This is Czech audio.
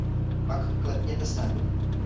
Pak klepněte sem.